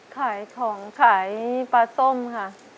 ขายของขายปลาส้มค่ะ